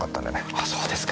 あそうですか。